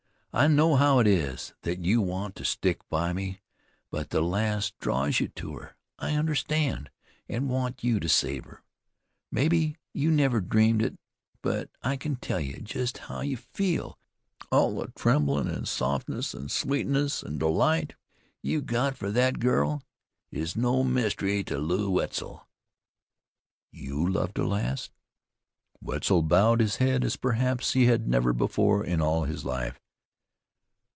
I know how it is, that you want to stick by me; but the lass draws you to her. I understand, an' want you to save her. Mebbe you never dreamed it; but I can tell jest how you feel. All the tremblin', an' softness, an' sweetness, an' delight you've got for thet girl, is no mystery to Lew Wetzel." "You loved a lass?" Wetzel bowed his head, as perhaps he had never before in all his life.